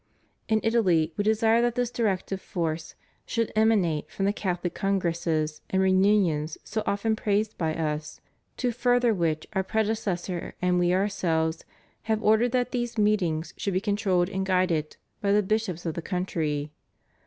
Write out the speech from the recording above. In Italy We desire that this directive force should emanate from the CathoHc Congresses and Reunions so often praised by Us, to further which Our predecessor and We Ourselves have ordered that these meetings should be controlled and guided by the bishops of the country.